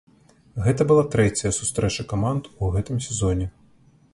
Гэта была трэцяя сустрэча каманд у гэтым сезоне.